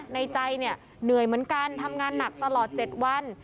ในใจเนี่ยเหนื่อยเหมือนกันทำงานหนักตลอด๗วัน